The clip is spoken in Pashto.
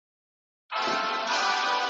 د نفوذ خاوندان باید د غریبو خلکو غم وخوري.